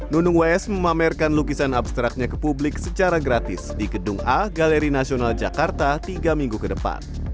nunung ws memamerkan lukisan abstraknya ke publik secara gratis di gedung a galeri nasional jakarta tiga minggu ke depan